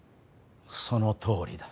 そのとおりだ。